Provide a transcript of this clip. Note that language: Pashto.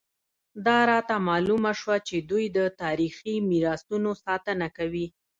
دا راته معلومه شوه چې دوی د تاریخي میراثونو ساتنه کوي.